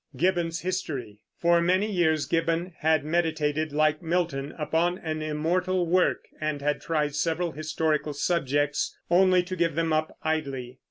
GIBBON'S HISTORY. For many years Gibbon had meditated, like Milton, upon an immortal work, and had tried several historical subjects, only to give them up idly.